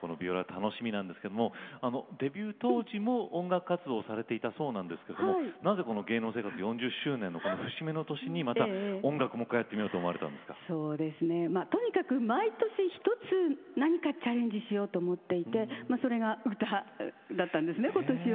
楽しみなんですがデビュー当時も音楽活動をされていたそうなんですけどなぜ、この芸能生活４０周年の節目の年にまた音楽もう一回やってみようと思われたんですかとにかく毎年一つ、何かチャレンジしようと思っていてそれが歌だったんですねことしは。